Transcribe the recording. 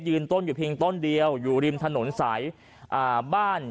ต้นอยู่เพียงต้นเดียวอยู่ริมถนนสายอ่าบ้าน